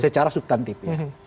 secara subtantif ya